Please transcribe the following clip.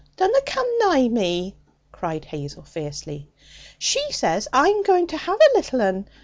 'Dunna come nigh me!' cried Hazel fiercely. 'She says I'm going to have a little 'un!